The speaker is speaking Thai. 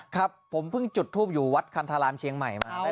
ครับผมเพิ่งจุดทูปอยู่วัดคันธารามเชียงใหม่มา